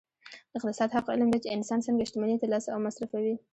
اقتصاد هغه علم دی چې انسان څنګه شتمني ترلاسه او مصرفوي